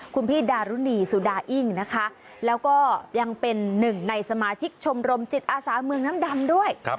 คุณพี่ดารุณีสุดาอิ้งนะคะแล้วก็ยังเป็นหนึ่งในสมาชิกชมรมจิตอาสาเมืองน้ำดำด้วย